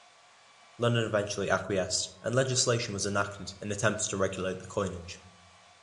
London eventually acquiesced and legislation was enacted in attempts to regulate the coinage.